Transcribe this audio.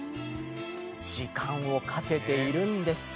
時間をかけているんです。